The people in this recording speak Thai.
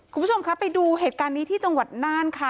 คุณผู้ชมครับไปดูเหตุการณ์นี้ที่จังหวัดน่านค่ะ